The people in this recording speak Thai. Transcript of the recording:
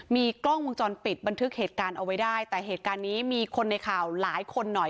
มีกล้องวงจรปิดบันทึกเหตุการณ์เอาไว้ได้แต่เหตุการณ์นี้มีคนในข่าวหลายคนหน่อย